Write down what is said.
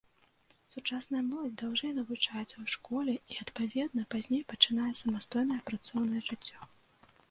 Сучасная моладзь даўжэй навучаецца ў школе і, адпаведна, пазней пачынае самастойнае працоўнае жыццё.